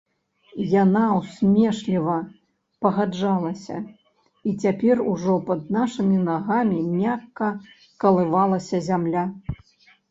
Яна ўсмешліва пагаджалася, і цяпер ужо пад нашымі нагамі мякка калывалася зямля.